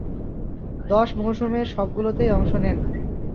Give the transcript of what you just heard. দশ মৌসুমের সবগুলোতেই অংশ নেন।